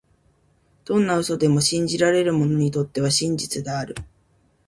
どんな嘘でも、信じられる者にとっては真実である。